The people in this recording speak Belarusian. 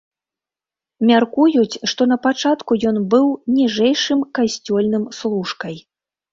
Мяркуюць, што напачатку ён быў ніжэйшым касцёльным служкай.